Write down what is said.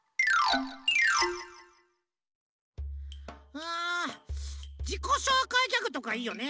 うんじこしょうかいギャグとかいいよね。